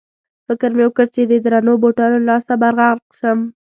فکر مې وکړ چې د درنو بوټانو له لاسه به غرق شم.